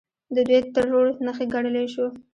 د دوی ټرور نښې ګڼلی شو.